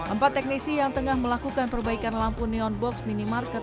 empat teknisi yang tengah melakukan perbaikan lampu neon box minimarket